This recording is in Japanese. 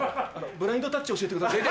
ブラインドタッチ教えてください。